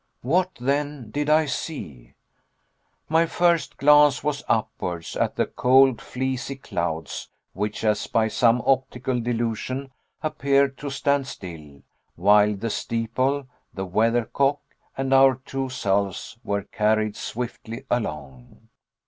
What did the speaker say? What then did I see? My first glance was upwards at the cold fleecy clouds, which as by some optical delusion appeared to stand still, while the steeple, the weathercock, and our two selves were carried swiftly along.